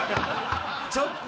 ちょっと！